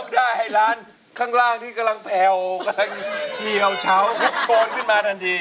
ไทยร้านข้างล่างที่กำลังแผ่วเหี่ยวเฉาโทนขึ้นมาทันที